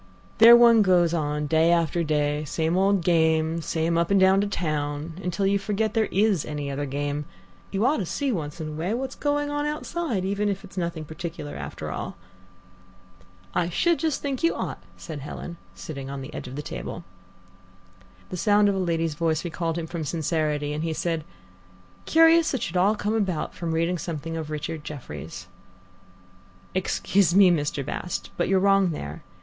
There one goes on day after day, same old game, same up and down to town, until you forget there is any other game. You ought to see once in a way what's going on outside, if it's only nothing particular after all." "I should just think you ought," said Helen, sitting on the edge of the table. The sound of a lady's voice recalled him from sincerity, and he said: "Curious it should all come about from reading something of Richard Jefferies." "Excuse me, Mr. Bast, but you're wrong there.